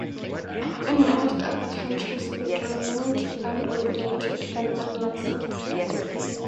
In most other countries it remains unregulated and unlicensed.